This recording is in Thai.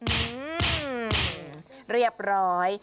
อืมเรียบร้อย